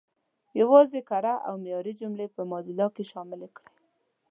یوازې کره او معیاري جملې په موزیلا کې شامل کړئ.